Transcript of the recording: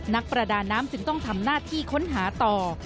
นักประดาน้ำจึงต้องทำหน้าที่ค้นหาต่อ